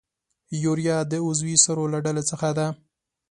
یوریا د عضوي سرو له ډلې څخه ده.